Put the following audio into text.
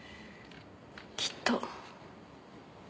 きっと。